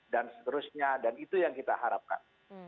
dan seterusnya dan itu yang kita harapkan